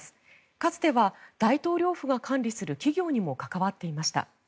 かつては大統領府が管理する企業にも関わっていました。